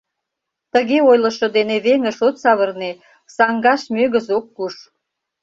Тыге ойлышо дене веҥыш от савырне, саҥгаш мӧгыз ок куш.